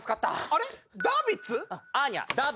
あれ？